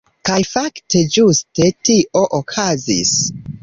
Kaj fakte ĝuste tio okazis.